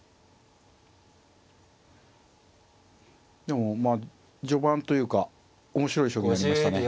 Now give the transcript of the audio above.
でもまあ序盤というか面白い将棋になりましたね